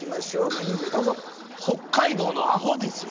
メニュー名どうぞ。